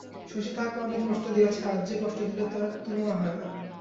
শশী তাহাকে অনেক কষ্ট দিয়াছে, আজ যে কষ্ট দিল তার তুলনা হয় না।